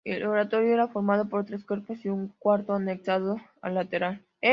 El oratorio está formado por tres cuerpos y un cuarto anexado al lateral.